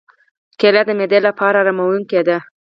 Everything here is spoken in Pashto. کېله د معدې لپاره آراموونکې ده.